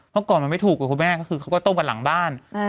เพราะก่อนมันไม่ถูกกว่าคุณแม่ก็คือเขาก็ต้มกันหลังบ้าน